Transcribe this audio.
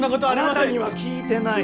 あなたには聞いてない。